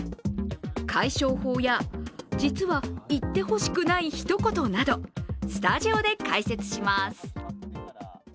解消法や実は言って欲しくないひと言などスタジオで解説します。